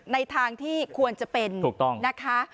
ในทางที่ควรจะเป็น